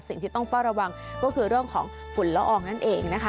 สิ่งที่ต้องเฝ้าระวังก็คือเรื่องของฝุ่นละอองนั่นเองนะคะ